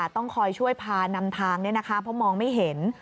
ต้องคอยช่วยพานำทางเพราะมองไม่เห็น